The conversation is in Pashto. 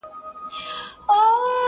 ويل واورئ دې ميدان لره راغلو.!